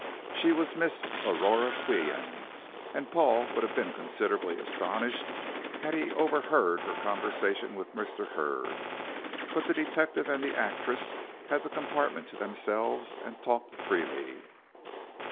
She was Miss Aurora Qian, and Paul would have been considerably astonished had he overheard her conversation with Mr. Hurd. But the detective and the actress had the compartment to themselves, and talked freely.